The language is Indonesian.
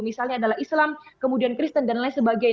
misalnya adalah islam kemudian kristen dan lain sebagainya